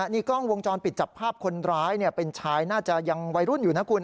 นี่กล้องวงจรปิดจับภาพคนร้ายเป็นชายน่าจะยังวัยรุ่นอยู่นะคุณ